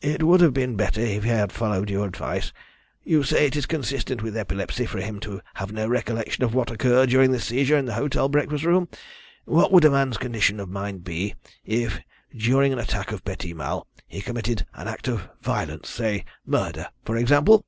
"It would have been better if he had followed your advice. You say it is consistent with epilepsy for him to have no recollection of what occurred during this seizure in the hotel breakfast room. What would a man's condition of mind be if, during an attack of petit mal, he committed an act of violence, say murder, for example?"